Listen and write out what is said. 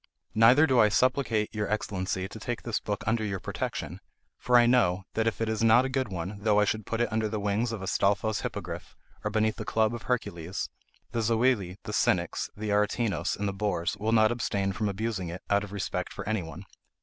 Neither do I supplicate your Excellency to take this book under your protection, for I know, that if it is not a good one, though I should put it under the wings of Astolfo's hippogrif, or beneath the club of Hercules, the Zoili, the cynics, the Aretinos, and the bores, will not abstain from abusing it, out of respect for anyone.